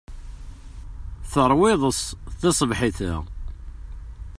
Teṛwa iḍes taṣebḥit-a.